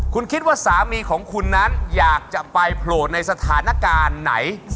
คุณคิดว่าสามีของคุณนั้นอยากจะไปโผล่ในสถานการณ์ไหน